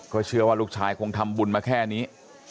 เชื่อว่าลูกชายคงทำบุญมาแค่นี้